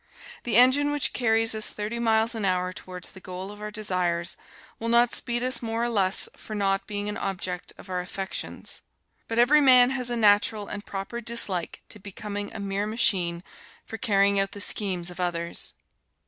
The engine which carries us thirty miles an hour towards the goal of our desires, will not speed us more or less for not being an object of our affections. But every man has a natural and proper dislike to becoming a mere machine for carrying out the schemes of others.